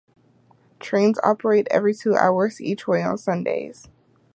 Trains operate every two hours each way on Sundays.